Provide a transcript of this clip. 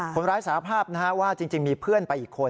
คนร้ายสารภาพนะฮะว่าจริงมีเพื่อนไปอีกคน